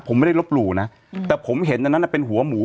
ผมไม่ได้ลบหลู่นะแต่ผมเห็นอันนั้นเป็นหัวหมู